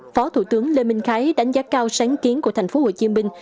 phó thủ tướng lê minh khái đánh giá cao sáng kiến của thành phố hồ chí minh